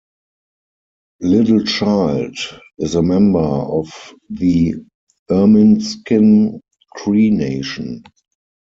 Littlechild is a member of the Ermineskin Cree Nation.